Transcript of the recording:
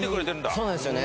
そうなんですよね。